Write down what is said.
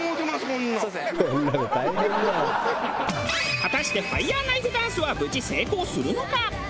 果たしてファイヤーナイフダンスは無事成功するのか！？